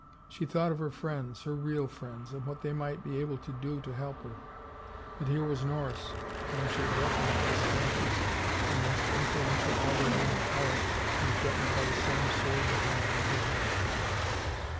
She thought of her friends, her real friends, and what they might be able to do to help her, but here was Norris, whom she had reckoned the stanchest and most influential already in the Tower and threatened by the same sword that hung over her head.